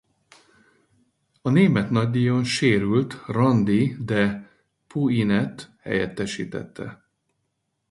A német nagydíjon sérült Randy de Puniet helyettesítette.